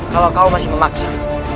kalau kau masih memaksa